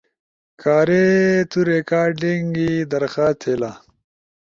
کارے تو تے ریکارڈنگ ئی درخواست تھئیلا،